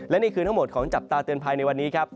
และนี่คือทั้งหมดของจับตาเตือนภัยในวันนี้ครับ